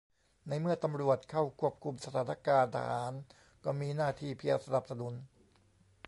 ในเมื่อตำรวจเข้าควบคุมสถานการณ์ ทหารก็มีหน้าที่เพียงสนับสนุน